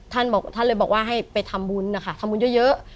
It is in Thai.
ท่านบอกท่านเลยบอกว่าให้ไปทำบุญนะคะทำบุญเยอะ